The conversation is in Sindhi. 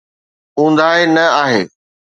اونداهي نه آهي.